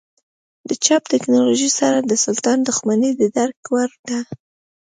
د چاپ ټکنالوژۍ سره د سلطان دښمني د درک وړ ده.